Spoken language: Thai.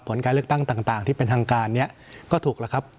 ผลการเลือกตั้งต่างที่เป็นทางการเนี่ยก็ถูกแล้วครับ